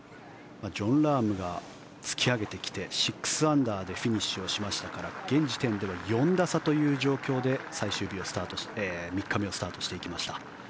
ジョン・ラームが突き上げてきて６アンダーでフィニッシュしましたから現時点では４打差という状況で３日目をスタートしていきました。